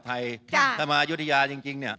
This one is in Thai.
ที่จะเป็นความสุขของชาวบ้าน